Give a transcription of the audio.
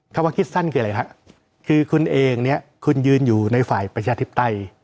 ว่าคิดสั้นคืออะไรฮะคือคุณเองเนี่ยคุณยืนอยู่ในฝ่ายประชาธิปไตย